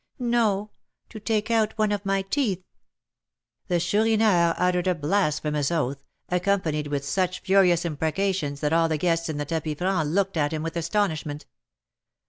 "No; to take out one of my teeth." The Chourineur uttered a blasphemous oath, accompanied with such furious imprecations that all the guests in the tapis franc looked at him with astonishment.